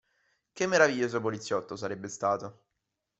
Che meraviglioso poliziotto sarebbe stato!